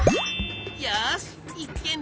よしいっけん